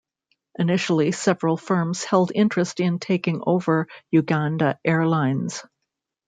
Initially, several firms held interest in taking over Uganda Airlines.